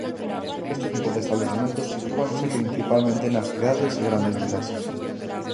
Este tipo de establecementos sitúanse principalmente nas cidades e grandes vilas.